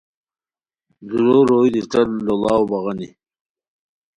دُورو روئے دی ݯت لوڑاؤ بغانی